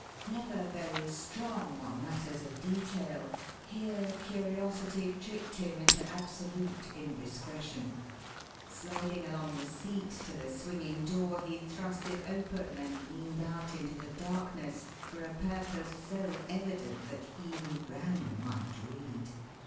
Never very strong on matters of detail, here curiosity tricked him into absolute indiscretion. Sliding along the seat to the swinging door he thrust it open and leaned out into the darkness, for a purpose so evident that he who ran might read.